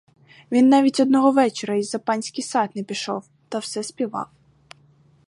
Він навіть одного вечора й за панський сад не пішов та все співав.